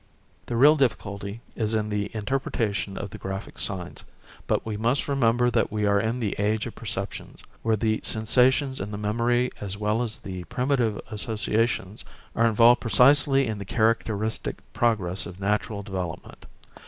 The real difficulty is in the interpretation of the graphic signs; but we must remember that we are in the age of perceptions, where the sensations and the memory as well as the primitive associations are involved precisely in the characteristic progress of natural development.